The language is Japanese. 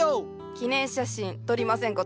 記念写真撮りません事？